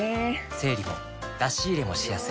整理も出し入れもしやすい